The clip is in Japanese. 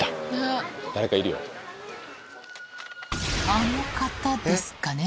あの方ですかね？